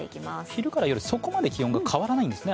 昼から夜、そこまで気温は変わらないんですね。